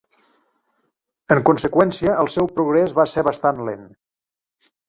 En conseqüència, el seu progrés va ser bastant lent.